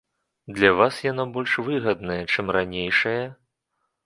Для вас яно больш выгаднае, чым ранейшае?